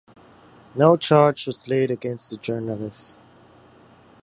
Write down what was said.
No charge was laid against the journalist.